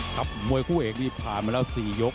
ครับมวยคู่เอกนี่ผ่านมาแล้ว๔ยก